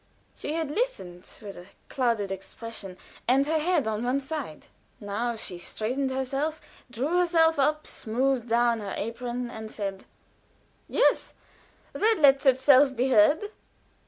She had listened with a clouded expression and her head on one side. Now she straightened herself, drew herself up, smoothed down her apron, and said: "Yes, that lets itself be heard.